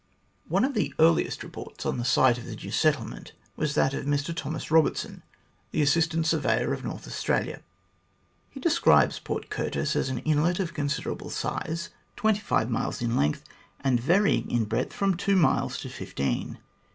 One of the earliest reports on the site of the new settle THE FOUNDING OF THE COLONY 45 ment was that of Mr Thomas Eobertson, the Assistant Surveyor of North Australia. He describes Port Curtis as an inlet of considerable size, twenty five miles in length, and varying in breadth from two miles to fifteen.